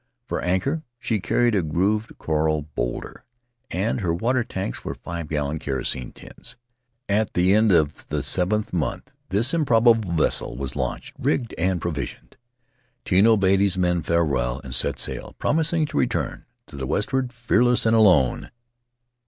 For anchor, she carried a grooved coral bowlder, and her water tanks were five gallon kerosene tins. At the end of the seventh month this improbable vessel was launched, rigged, and provisioned. Tino bade his men Faery Lands of the South Seas farewell and set sail — promising to return — to the west ward, fearless and alone.